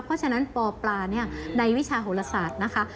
เพราะฉะนั้นปปลาในวิชาโหลศาสตร์นะคะ